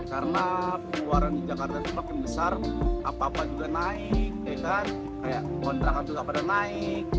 karena keluaran di jakarta semakin besar apa apa juga naik kayak kontrakan juga pada naik